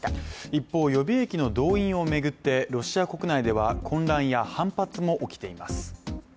一方、予備役の動員を巡って、ロシア国内では混乱や反発も起きています。